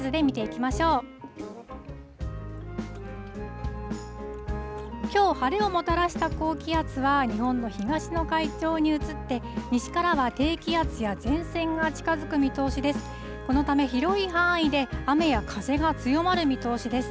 きょう晴れをもたらした高気圧は、日本の東の海上に移って、西からは低気圧や前線が近づく見通しです。